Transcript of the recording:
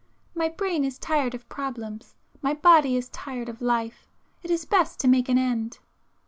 My brain is tired of problems,—my body is tired of life; it is best to make an end.